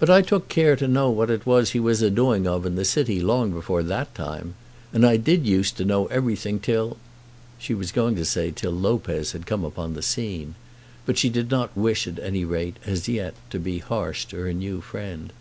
But I took care to know what it was he was a doing of in the city long before that time. And I did use to know everything, till " She was going to say, till Lopez had come upon the scene. But she did not wish, at any rate as yet, to be harsh to her new friend.